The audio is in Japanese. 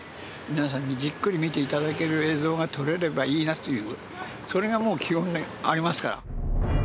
皆さんにじっくり見て頂ける映像が撮れればいいなというそれがもう基本にありますから。